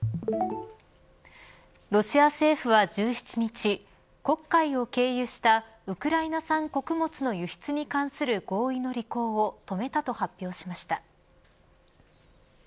ロシア政府は１７日黒海を経由したウクライナ産穀物の輸出に関する合意の履行を止めたと発表しました。